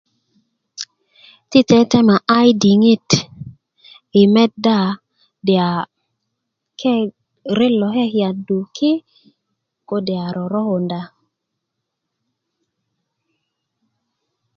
ti tetema ayi diŋit i meda diya ret lo ke kiyadu ki kode a rorokunda kak